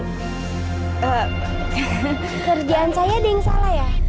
kerjaan saya deh yang salah ya